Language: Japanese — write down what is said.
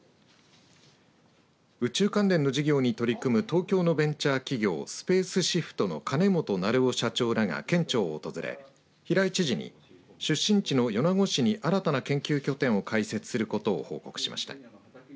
宇宙関連の事業に取り組む東京のベンチャー企業スペースシフトの金本成生社長らが県庁を訪れ、平井知事に出身地の米子市に新たな研究拠点を開設することを報告しました。